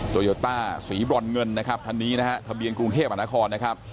โยต้าสีบรอนเงินนะครับคันนี้นะฮะทะเบียนกรุงเทพมหานครนะครับ